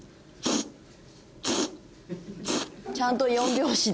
ちゃんと４拍子で。